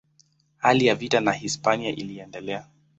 Hali ya vita na Hispania iliendelea.